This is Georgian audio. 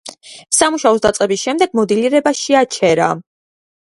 სამუშაოს დაწყების შემდეგ მოდელირება შეაჩერა.